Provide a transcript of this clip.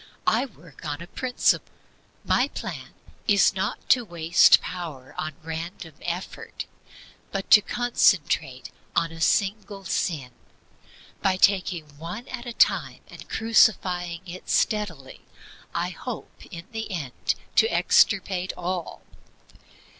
I work on a principle. My plan is not to waste power on random effort, but to concentrate on a single sin. By taking ONE AT A TIME and crucifying it steadily, I hope in the end to extirpate all."